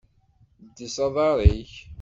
Ddez aḍaṛ-ik!